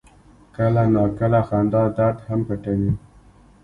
کله ناکله خندا درد هم پټوي.